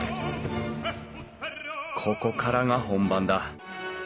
ここからが本番だ。